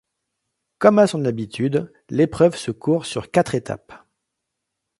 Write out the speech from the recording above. Comme à son habitude, l’épreuve se court sur quatre étapes.